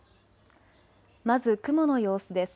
まず雲の様子です。